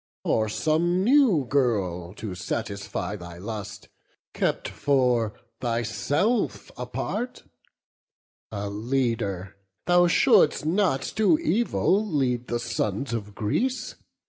Or some new girl, to gratify thy lust, Kept for thyself apart? a leader, thou Shouldst not to evil lead the sons of Greece.